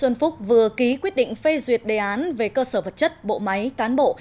nguyễn xuân phúc vừa ký quyết định phê duyệt đề án về cơ sở vật chất bộ máy cán bộ